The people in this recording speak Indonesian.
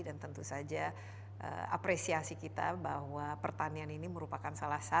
dan tentu saja apresiasi kita bahwa pertanian ini merupakan suatu keuntungan